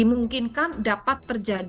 dimungkinkan dapat terjadi